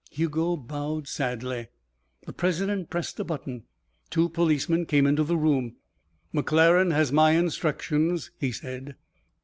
Hugo bowed sadly. The president pressed a button. Two policemen came into the room. "McClaren has my instructions," he said.